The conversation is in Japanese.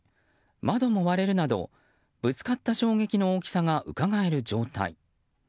窓も割れるなどぶつかった衝撃の大きさがうかがえる状態。